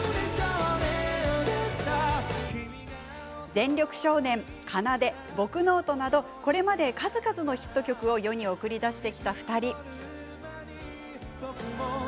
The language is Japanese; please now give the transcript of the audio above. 「全力少年」、「奏」「ボクノート」などこれまで数々のヒット曲を世に送り出してきた２人。